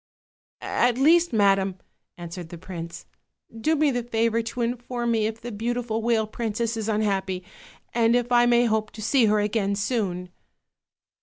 "At least, madam," answered the prince, "do me the favor to inform me if tfce beautiful whale princess is unhappy; and if I may hope to see her again soon."